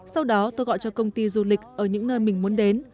sau đó tôi gọi cho công ty du lịch ở những nơi mình muốn đến